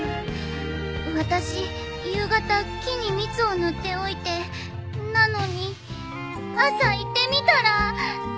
私夕方木に蜜を塗っておいてなのに朝行ってみたら。